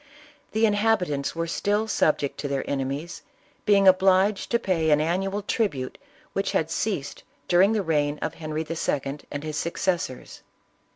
The inhabitants were still subject to their ene mies, being obliged to pay an annual tribute which had ceased during the reign of Henry II. and his succes sors.